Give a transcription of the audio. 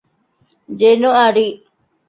ޖެނުއަރީ